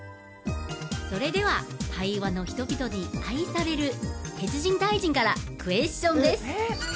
それでは台湾の人々に愛される鉄人大臣からクエスチョンです